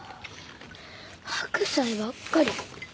白菜ばっかり。